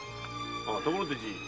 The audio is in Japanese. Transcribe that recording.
ところでじぃ。